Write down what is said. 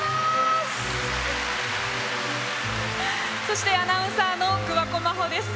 そしてアナウンサーの桑子真帆です。